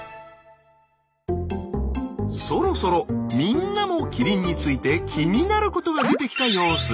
そろそろみんなもキリンについて気になることが出てきた様子。